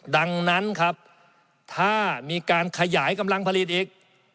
ดังนั้นครับถ้ามีการขยายกำลังผลิตอีก